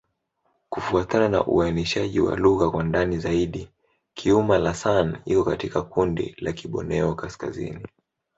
Kufuatana na uainishaji wa lugha kwa ndani zaidi, Kiuma'-Lasan iko katika kundi la Kiborneo-Kaskazini.